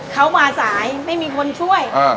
เขามาสายไม่มีคนช่วย